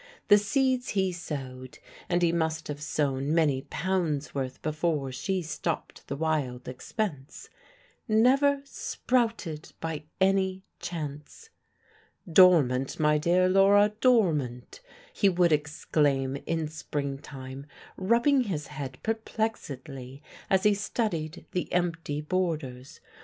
The seeds he sowed and he must have sown many pounds' worth before she stopped the wild expense never sprouted by any chance. "Dormant, my dear Laura dormant!" he would exclaim in springtime, rubbing his head perplexedly as he studied the empty borders.